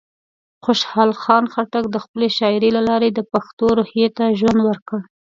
خوشحال خان خټک د خپلې شاعرۍ له لارې د پښتنو روحیه ته ژوند ورکړ.